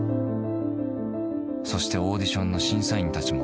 そしてオーディションの審査